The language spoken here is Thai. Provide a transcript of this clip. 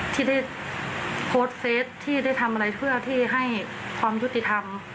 ที่ได้โพสต์เฟสที่ได้ทำอะไรเพื่อที่ให้ความยุติธรรม